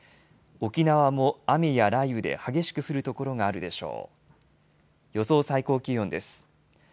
沖縄も雨や雷雨で激しく降る所があるでしょう。